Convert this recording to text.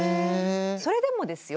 それでもですよ